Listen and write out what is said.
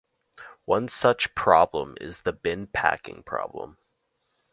One such problem is the bin packing problem.